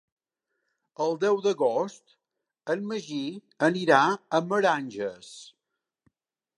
El deu d'agost en Magí anirà a Meranges.